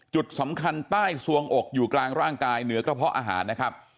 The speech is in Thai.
จุดสำคัญใต้สวงอกอยู่กลางร่างกายเหนือกระเพาะอาหารนะครับ